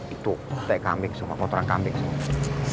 itu te kambing semua kotoran kambing semua